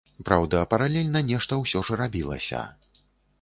Праўда, паралельна нешта ўсё ж рабілася.